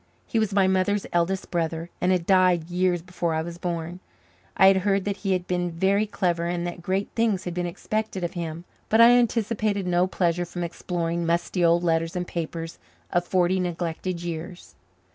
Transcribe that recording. He was my mother's eldest brother and had died years before I was born. I had heard that he had been very clever and that great things had been expected of him. But I anticipated no pleasure from exploring musty old letters and papers of forty neglected years.